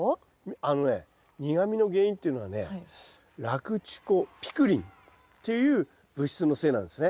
あのね苦みの原因っていうのはねラクチュコピクリンっていう物質のせいなんですね。